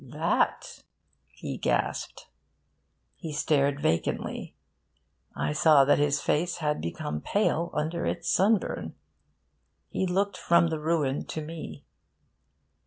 'That?' he gasped. He stared vacantly. I saw that his face had become pale under its sunburn. He looked from the ruin to me.